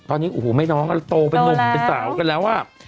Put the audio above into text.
ตอนนี้โตไปหนุ่มโตแล้วเป็นสาวกันแล้วอ่ะ